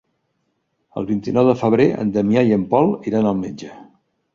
El vint-i-nou de febrer en Damià i en Pol iran al metge.